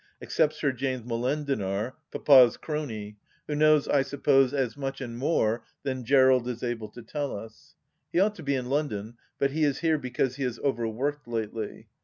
Except Sir James Molendinar, Papa's crony — ^who knows I suppose as much, and more, than Gerald is able to tell us. He ought to be in London, but he is here because he has overworked lately.